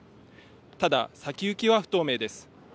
ただ、先行きは不透明です。